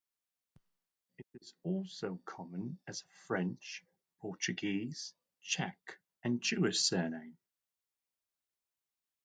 It is also common as a French, Portuguese, Czech, and Jewish surname.